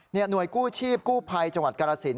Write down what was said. หน่วยกู้ชีพกู้ภัยจังหวัดกรสิน